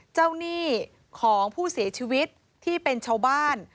หนี้ของผู้เสียชีวิตที่เป็นชาวบ้าน